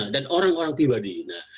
dan orang orang pribadi